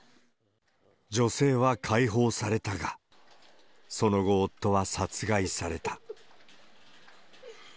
女性は解放されたが、その後、夫は殺害された。